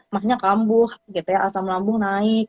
ma nya kambuh gitu ya asam lambung naik